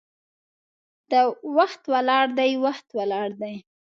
وخت ولاړ دی، وخت ولاړ دی